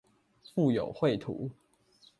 附有繪圖